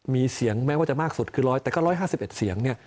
มีเสียงแม้ว่าจะมากสุดคือ๑๐แต่ก็๑๕๑เสียงเนี่ย